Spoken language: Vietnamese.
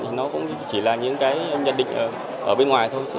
thì nó cũng chỉ là những cái nhận định ở bên ngoài thôi